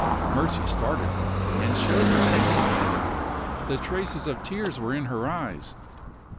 Mercy started, and showed her face again. The traces of tears were in her eyes.